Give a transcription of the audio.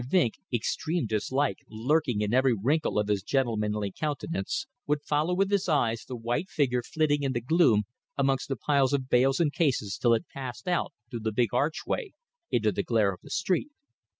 Vinck extreme dislike lurking in every wrinkle of his gentlemanly countenance would follow with his eyes the white figure flitting in the gloom amongst the piles of bales and cases till it passed out through the big archway into the glare of the street.